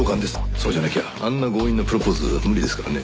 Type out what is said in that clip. そうじゃなきゃあんな強引なプロポーズ無理ですからね。